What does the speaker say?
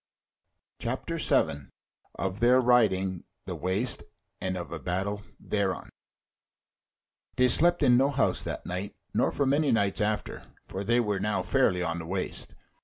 CHAPTER 7 Of Their Riding the Waste, and of a Battle Thereon They slept in no house that night nor for many nights after; for they were now fairly on the waste.